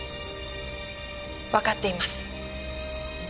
わかっています。